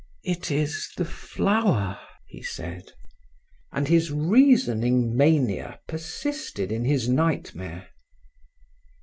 "It is the Flower," he said. And his reasoning mania persisted in his nightmare.